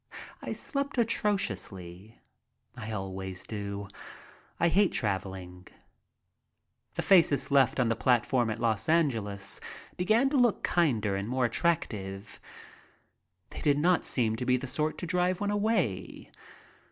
I slept atrociously. I always do. I hate traveling. The faces left on the plat form at Los Angeles began to look kinder and more attrac tive. They did not seem the sort to drive one away.